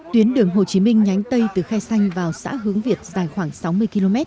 tuyến đường hồ chí minh nhánh tây từ khe xanh vào xã hướng việt dài khoảng sáu mươi km